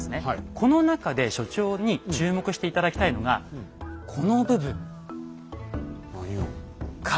この中で所長に注目して頂きたいのがこの部分。